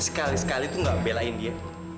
sekali sekali tuh gak belain dia